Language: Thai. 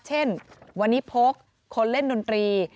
เช่นวันนี้พกคนเล่นดนตรี